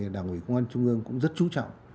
đảng ủy công an trung ương cũng rất chú trọng